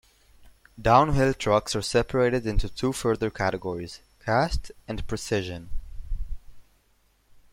Downhill trucks are separated into two further categories: Cast and Precision.